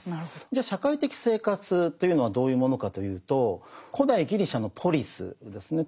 じゃ社会的生活というのはどういうものかというと古代ギリシャのポリスですね